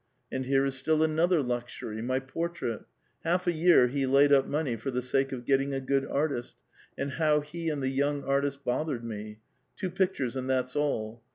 And here is still anotlier luxury : my portra.it ; half a year he laid up money for the sake of get ting a. good artist, and how he and the young artist bothered we. Two pictures and that's all.